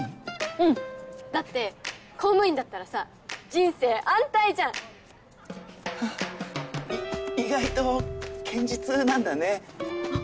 うんだって公務員だったらさ人生安泰じゃんハハ意外と堅実なんだねあっ